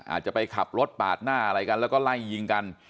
อาจจะไปขับรถปาดหน้าอะไรกันแล้วก็ไล่ยิงกัน